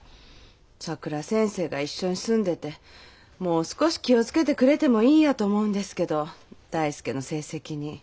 さくら先生が一緒に住んでてもう少し気を付けてくれてもいいやと思うんですけど大介の成績に。